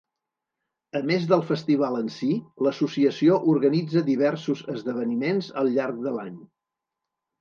A més del festival en si, l’Associació organitza diversos esdeveniments al llarg de l’any.